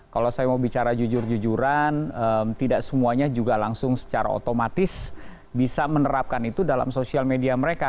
kalau saya mau bicara jujur jujuran tidak semuanya juga langsung secara otomatis bisa menerapkan itu dalam sosial media mereka